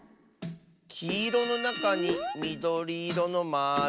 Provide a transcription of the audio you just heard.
きいろのなかにみどりいろのまる。